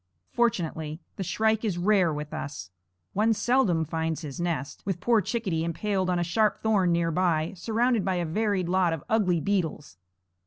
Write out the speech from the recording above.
Fortunately the shrike is rare with us; one seldom finds his nest, with poor Chickadee impaled on a sharp thorn near by, surrounded by a varied lot of ugly beetles.